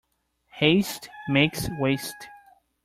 Haste makes waste.